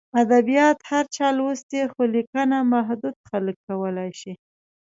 ادبیات هر چا لوستي، خو لیکنه محدود خلک کولای شي.